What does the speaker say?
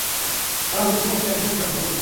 তারা মূলত সুকৌশলে এক ঢিলে দুই পাখী শিকার করতে চায়।